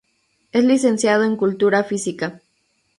Es licenciado en Cultura Física.